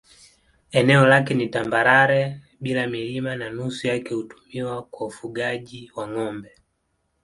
Eneo lake ni tambarare bila milima na nusu yake hutumiwa kwa ufugaji wa ng'ombe.